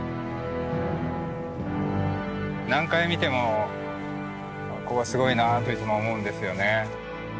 何回見てもここすごいなあといつも思うんですよね。